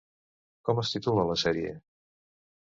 Com es titula la sèrie?